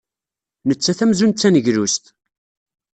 Nettat amzun d tangellust.